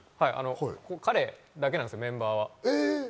彼だけなんです、メンバーは。